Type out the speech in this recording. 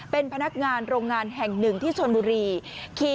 เป็นพนักงานโรงงานแห่งหนึ่งที่ชนบุรี